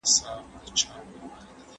اسمان ته ناڅم